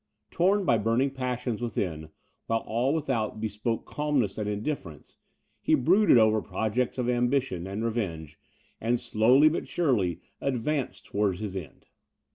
Torn by burning passions within, while all without bespoke calmness and indifference, he brooded over projects of ambition and revenge, and slowly, but surely, advanced towards his end.